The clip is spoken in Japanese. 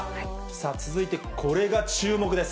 続いて、これが注目です。